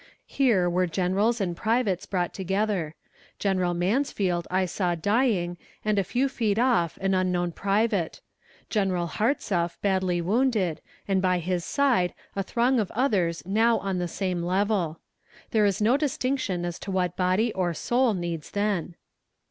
Here were generals and privates brought together. General Mansfield I saw dying, and a few feet off, an unknown private; General Hartsuff badly wounded, and by his side a throng of others now on the same level. There is no distinction as to what body or soul needs then.